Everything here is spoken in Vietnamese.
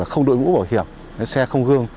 không đội ngũ bảo hiểm xe không gương